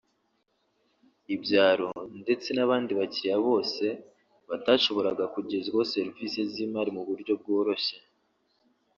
ibyaro ndetse n’abandi bakiriya bose batashoboraga kugezwaho serivisi z’imari mu buryo bworoshye